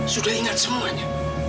sudah ingat semuanya